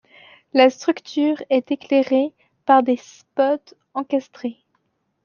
La structure est éclairée par des spots encastrés.